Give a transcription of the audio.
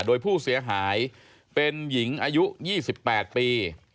โดยผู้เสียหายเป็นหญิงอายุ๒๘ปี